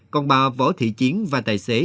còn bà võ thị chiến và tài xế